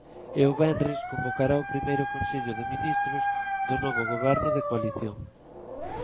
E o venres convocará o primeiro consello de ministros do novo Goberno de coalición.